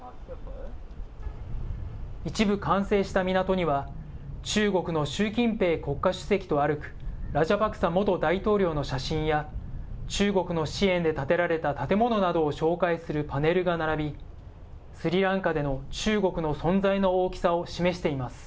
一部完成した港には、中国の習近平国家主席と歩くラジャパクサ元大統領の写真や、中国の支援で建てられた建物などを紹介するパネルが並び、スリランカでの中国の存在の大きさを示しています。